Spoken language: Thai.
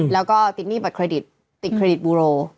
แล้วก็ติดหนี้บัตเครดิตติดเครดิตบูโร